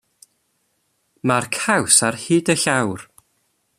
Mae'r caws ar hyd y llawr.